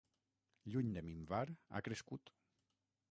Lluny de minvar, ha crescut.